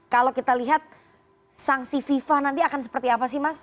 kalau kita lihat sanksi fifa nanti akan seperti apa sih mas